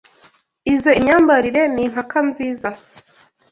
Izoi myambarire ni impaka nziza.